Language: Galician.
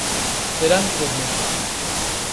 Serán tres meses.